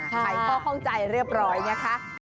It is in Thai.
ใครก็เข้าใจเรียบร้อยเนี่ยคะ